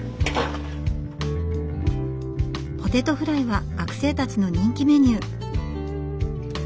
ポテトフライは学生たちの人気メニュー。